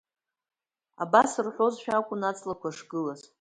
Абас рҳәозшәа акәын аҵлақәа шгылаз.